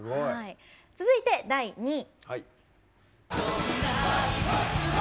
続いて第２位。